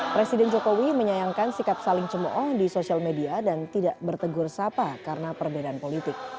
presiden jokowi menyayangkan sikap saling cemoh di sosial media dan tidak bertegur sapa karena perbedaan politik